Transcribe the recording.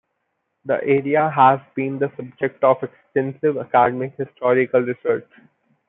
The area has been the subject of extensive academic historical research.